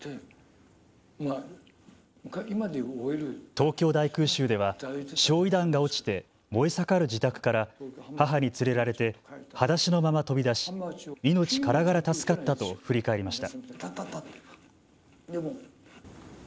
東京大空襲では焼い弾が落ちて燃え盛る自宅から母に連れられてはだしのまま飛び出し命からがら助かったと振り返りました。